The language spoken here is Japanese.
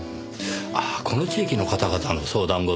ああこの地域の方々の相談